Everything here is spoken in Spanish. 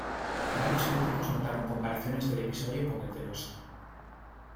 Varios críticos notaron comparaciones del episodio con el de "Lost".